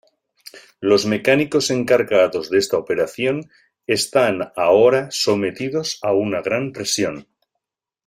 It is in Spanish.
Los mecánicos encargados de esta operación están ahora sometidos a una gran presión.